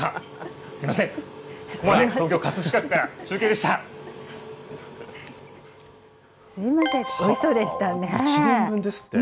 すみません、東京・葛飾区から中すみません、おいしそうでし１年分ですって。